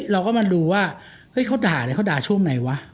เราก็มาดูว่าเฮ้ยเขาด่าเนี่ยเขาด่าช่วงไหนวะ